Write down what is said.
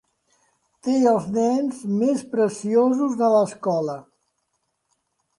Té els nens més preciosos de l'escola.